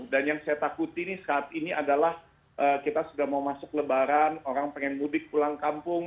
dan yang saya takuti ini saat ini adalah kita sudah mau masuk lebaran orang pengen mudik pulang kampung